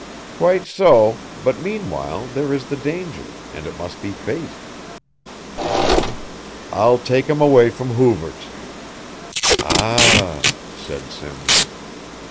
"Quite so, but, meanwhile, there is the danger, and it must be faced." "I'll take him away from Hoover's." "Ah," said Simms.